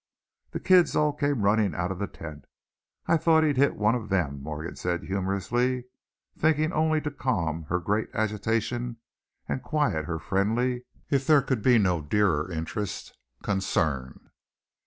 "The kids all came running out of the tent I thought he'd hit one of them," Morgan said, humorously, thinking only to calm her great agitation and quiet her friendly if there could be no dearer interest concern.